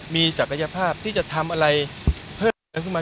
มีศักยภาพที่จะทำอะไรเพิ่มเติมขึ้นมา